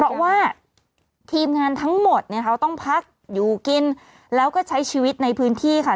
เพราะว่าทีมงานทั้งหมดเนี่ยเขาต้องพักอยู่กินแล้วก็ใช้ชีวิตในพื้นที่ค่ะ